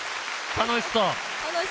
楽しそう。